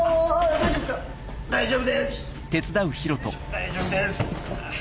大丈夫です。